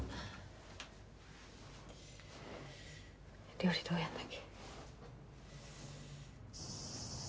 料理どうやるんだっけ？